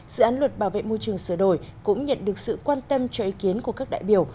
dự án luật bảo vệ môi trường sửa đổi cũng nhận được sự quan tâm cho ý kiến của các đại biểu